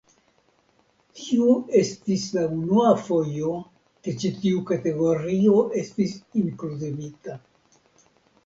Tiu estis la unua fojo ke ĉi tiu kategorio estis inkluzivita.